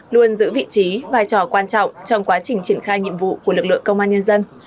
luôn giữ vị trí vai trò quan trọng trong quá trình triển khai nhiệm vụ của lực lượng công an nhân dân